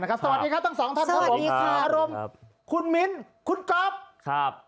สวัสดีครับทั้งสองท่านคุณมินคุณกรอบ